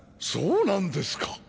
「そうなんですか」